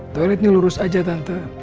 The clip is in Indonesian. toiletnya lurus aja tante